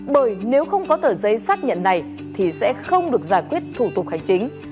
bởi nếu không có tờ giấy xác nhận này thì sẽ không được giải quyết thủ tục hành chính